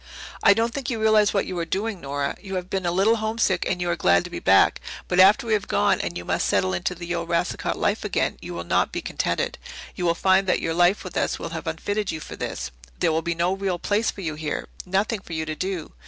"I don't think you realize what you are doing, Nora. You have been a little homesick and you are glad to be back. But after we have gone and you must settle into the old Racicot life again, you will not be contented. You will find that your life with us will have unfitted you for this. There will be no real place for you here nothing for you to do.